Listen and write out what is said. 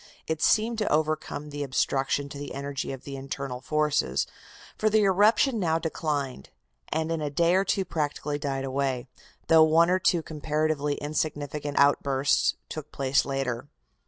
It seemed to overcome the obstruction to the energy of the internal forces, for the eruption now declined, and in a day or two practically died away, though one or two comparatively insignificant outbursts took place later.